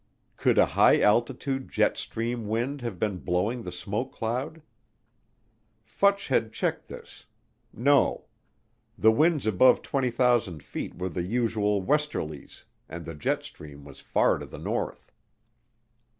Could a high altitude jet stream wind have been blowing the smoke cloud? Futch had checked this no. The winds above 20,000 feet were the usual westerlies and the jet stream was far to the north.